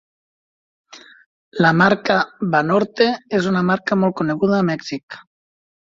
La marca "Banorte" és una marca molt coneguda a Mèxic.